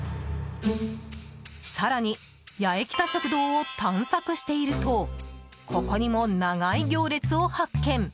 更に、八重北食堂を探索しているとここにも長い行列を発見。